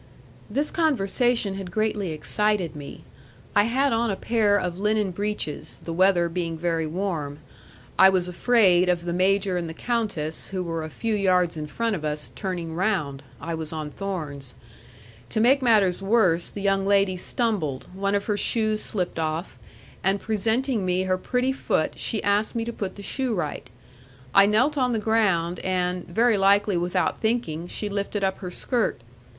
This conversation had greatly excited me. I had on a pair of linen breeches, the weather being very warm.... I was afraid of the major and the countess, who were a few yards in front of us, turning round .... I was on thorns. To make matters worse, the young lady stumbled, one of her shoes slipped off, and presenting me her pretty foot she asked me to put the shoe right. I knelt on the ground, and, very likely without thinking, she lifted up her skirt....